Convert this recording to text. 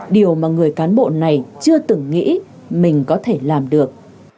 điều mà người cán bộ này chưa từng nghĩ mình có thể làm được